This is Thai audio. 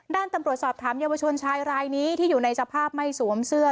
ด้านตำรวจสอบถามเยาวชนชายรายนี้ที่อยู่ในสภาพไม่สวมเสื้อ